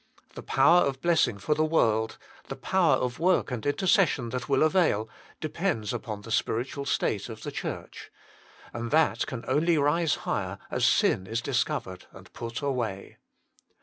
The power of blessing for the world, the power of work and intercession that will avail, depends upon the spiritual state of the Church ; and that can only rise higher as sin is discovered and put away.